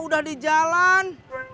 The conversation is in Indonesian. udah di jalan